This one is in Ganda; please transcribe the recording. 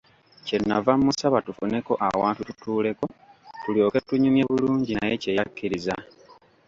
Kye nava mmusaba tufuneko awantu tutuuleko tulyoke tunyumye bulungi naye kye yakkiriza.